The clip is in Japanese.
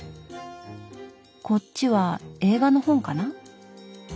こっちは映画の本かな？